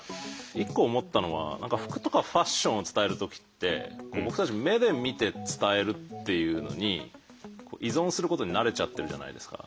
一個思ったのは服とかファッションを伝える時って僕たち目で見て伝えるっていうのに依存することに慣れちゃってるじゃないですか。